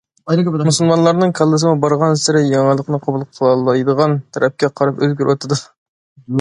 مۇسۇلمانلارنىڭ كاللىسىمۇ بارغانسېرى يېڭىلىقنى قوبۇل قىلالايدىغان تەرەپكە قاراپ ئۆزگىرىۋاتىدۇ.